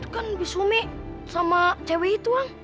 itu kan bisumi sama cewek itu ang